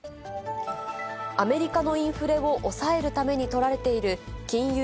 アメリカのインフレを抑えるために取られている金融